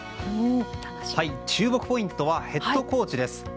注目ポイントはヘッドコーチです。